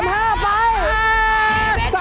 ๔๕บาท